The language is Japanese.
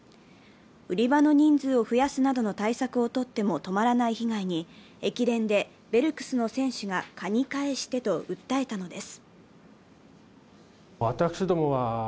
売り場の人数を増やすなどの対策をとっても止まらない被害に、駅伝でベルクスの選手がカニ返してと訴えたのです。